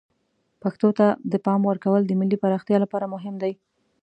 پښتو ته د پام ورکول د ملی پراختیا لپاره مهم دی.